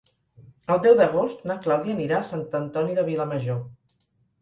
El deu d'agost na Clàudia anirà a Sant Antoni de Vilamajor.